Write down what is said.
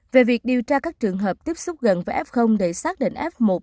về việc điều tra các trường hợp tiếp xúc gần với f để xác định f một